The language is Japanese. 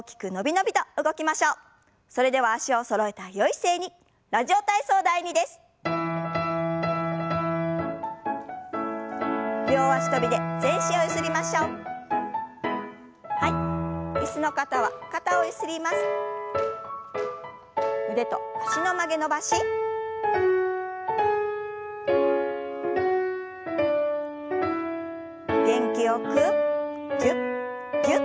元気よくぎゅっぎゅっと。